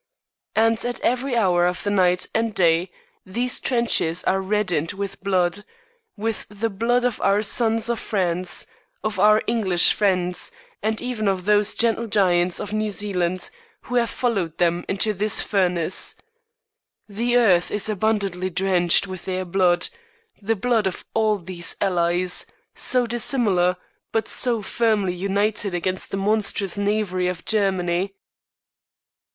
And at every hour of the night and day these trenches are reddened with blood, with the blood of our sons of France, of our English friends, and even of those gentle giants of New Zealand, who have followed them into this furnace. The earth is abundantly drenched with their blood, the blood of all these Allies, so dissimilar, but so firmly united against the monstrous knavery of Germany.